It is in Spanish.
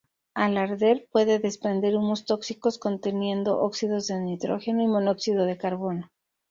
Al arder puede desprender humos tóxicos conteniendo óxidos de nitrógeno y monóxido de carbono.